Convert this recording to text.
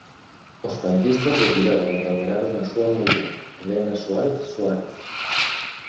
Os franquistas detiveron e condenaron á súa muller Elena Suárez Suárez.